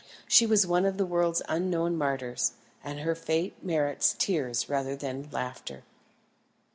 She was one of the world's unknown martyrs, and her fate merits tears rather than laughter.